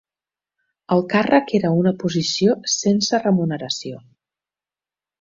El càrrec era una posició sense remuneració.